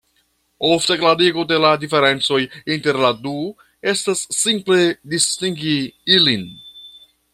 Ofta klarigo de la diferencoj inter la du estas simple distingi ilin.